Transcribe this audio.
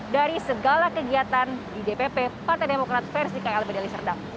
dari segala kegiatan di dpp partai demokrat versi klb deli serdang